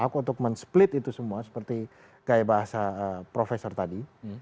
hak untuk men split itu semua seperti gaya bahasa profesor tadi